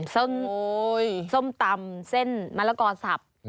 ส้มตำเส้นมะละกอสับ